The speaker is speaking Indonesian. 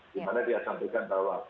di mana dia sampaikan bahwa